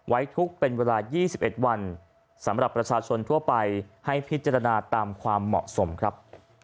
ไว้ทุกข์เป็นเวลา๒๑วันสำหรับประชาชนทั่วไปให้พิจารณาตามความเหมาะสมครับ